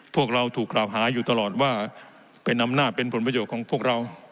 พวกเราถูกกล่าวหาอยู่ตลอดว่าเป็นอำนาจเป็นผลประโยชน์ของพวกเรา